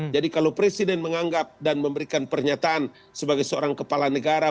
jadi kalau presiden menganggap dan memberikan pernyataan sebagai seorang kepala negara